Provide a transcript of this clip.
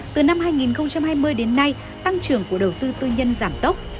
từ năm hai nghìn hai mươi đến nay tăng trưởng của đầu tư tư nhân giảm tốc